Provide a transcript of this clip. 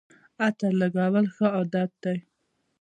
عطر لګول ښه عادت دی